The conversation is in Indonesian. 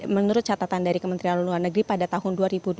menurut catatan dari kementerian luar negeri pada tahun dua ribu dua puluh